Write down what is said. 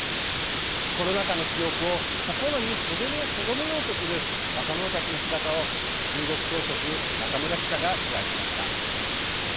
コロナ禍の記憶を、心にとどめようとする若者たちの姿を中国総局、中村記者が取材しました。